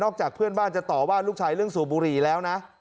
จากเพื่อนบ้านจะต่อว่าลูกชายเรื่องสูบบุหรี่แล้วนะ